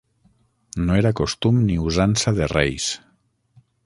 No era costum ni usança de reis.